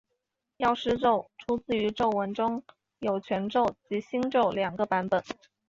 药师咒出自于咒文有全咒及心咒两个版本。